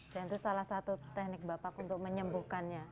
dan itu salah satu teknik bapak untuk menyembuhkannya